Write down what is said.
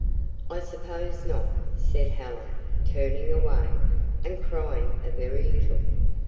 "I suppose not," said Helen, turning away, and crying a very little.